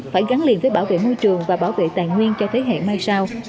phải gắn liền với bảo vệ môi trường và bảo vệ tài nguyên cho thế hệ mai sau